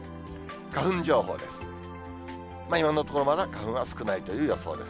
花粉情報です。